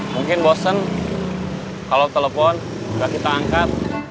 mungkin bosen kalau telepon nggak kita angkat